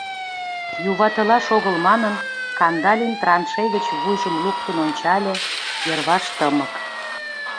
Юватылаш огыл манын, Кандалин траншей гыч вуйжым луктын ончале, йырваш тымык.